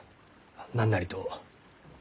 何なりと。